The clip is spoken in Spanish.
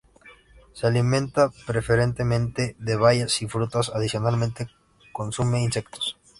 Se alimenta preferentemente de bayas y frutas; adicionalmente consume insectos.